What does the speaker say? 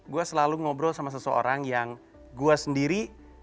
gue selalu ngobrol sama seseorang yang gue sendiri